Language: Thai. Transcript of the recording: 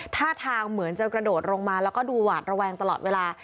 ท่าทางเหมือนจะกระโดดลงมาแล้วก็ดูหวาดระแวงตลอดเวลา